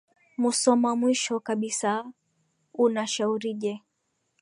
musoma mwisho kabisa unashaurije